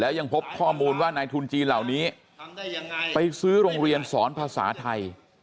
ยังพบข้อมูลว่านายทุนจีนเหล่านี้ไปซื้อโรงเรียนสอนภาษาไทย